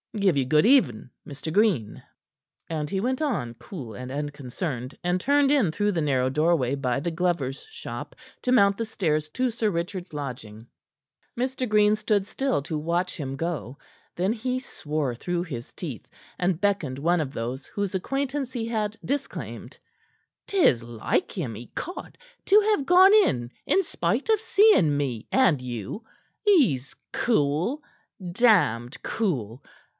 Give you good even, Mr. Green." And he went on, cool and unconcerned, and turned in through the narrow doorway by the glover's shop to mount the stairs to Sir Richard's lodging. Mr. Green stood still to watch him go. Then he swore through his teeth, and beckoned one of those whose acquaintance he had disclaimed. "'Tis like him, ecod! to have gone in in spite of seeing me and you! He's cool! Damned cool!